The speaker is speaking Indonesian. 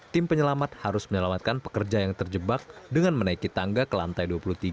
tim penyelamat harus menyelamatkan pekerja yang terjebak dengan menaiki tangga ke lantai dua puluh tiga